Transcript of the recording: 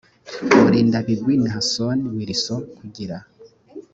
mulindabigwi naason wilson kugira